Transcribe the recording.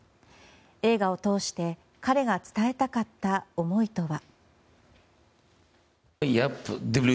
映画を通して彼が伝えたかった思いとは。